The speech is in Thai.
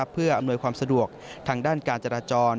เพื่ออำนวยความสะดวกทางด้านการจราจร